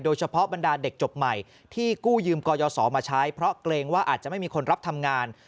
บรรดาเด็กจบใหม่ที่กู้ยืมกยศมาใช้เพราะเกรงว่าอาจจะไม่มีคนรับทำงาน